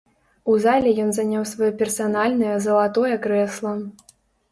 У зале ён заняў сваё персанальнае залатое крэсла.